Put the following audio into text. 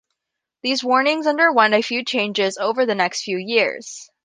These warnings underwent a few changes over the next few years.